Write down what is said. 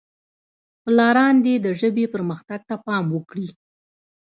پلاران دې د ژبې پرمختګ ته پام وکړي.